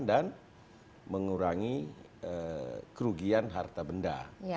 dan mengurangi kerugian harta benda